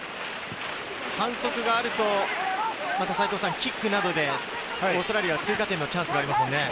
反則があるとキックなどでオーストラリアは追加点のチャンスがありますもんね。